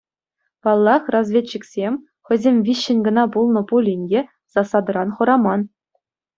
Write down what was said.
Паллах, разведчиксем — хӑйсем виҫҫӗн кӑна пулнӑ пулин те — засадӑран хӑраман.